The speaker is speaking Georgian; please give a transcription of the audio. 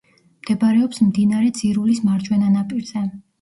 მდებარეობს მდინარე ძირულის მარჯვენა ნაპირზე.